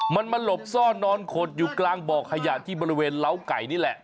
มันมาหลบซ่อนนอนขดอยู่กลางบ่อขยะที่บริเวณเล้าไก่นี่แหละ